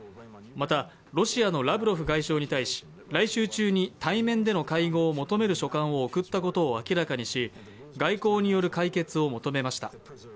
また、ロシアのラブロフ外相に対し来週中に対面での会合を求める書簡を送ったことを明らかにし外交による解決を求めました。